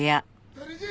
誰じゃ！？